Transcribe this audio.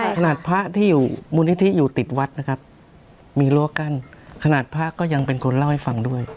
พระที่อยู่มูลนิธิอยู่ติดวัดนะครับมีรั้วกั้นขนาดพระก็ยังเป็นคนเล่าให้ฟังด้วย